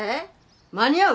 間に合う？